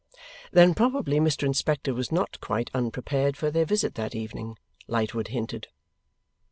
Then probably Mr Inspector was not quite unprepared for their visit that evening? Lightwood hinted.